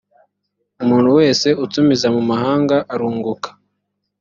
umuntu wese utumiza mu mahanga arunguka.